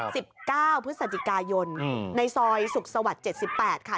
สิบเก้าพฤศจิกายนในซอยสุขสวรรค์๗๘ค่ะ